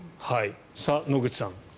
野口さん